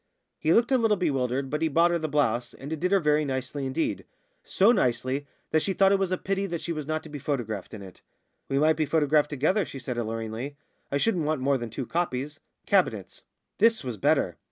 He looked a little bewildered, but he bought her the blouse, and it did her very nicely indeed so nicely that she thought it was a pity that she was not to be photographed in it. "We might be photographed together," she said alluringly; "I shouldn't want more than two copies cabinets." This was better.